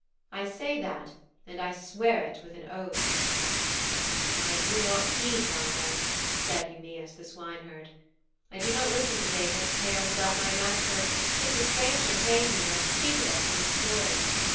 I say that, and I swear it with an oath.' 'I do not heed thine oath,' said Eumæus the swineherd. 'I do not listen to vagrant's tales about my master since a stranger came here and cheated us with a story.